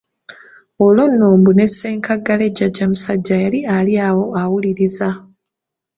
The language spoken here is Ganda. Olwo nno mbu ne Ssenkaggale Jjajja musajja yali ali awo awuliriza.